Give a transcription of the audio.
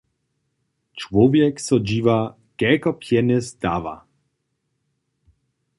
Čłowjek so dźiwa, kelko pjenjez dawa.